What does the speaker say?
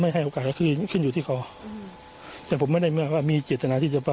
ไม่ให้โอกาสคือขึ้นอยู่ที่คอแต่ผมไม่ได้ว่ามีเจรตนาที่